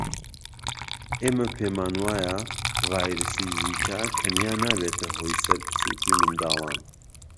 ئێمە پێمانوایە ڤایرسی زیکا تەنیا نابێتە هۆی سەربچوکی منداڵان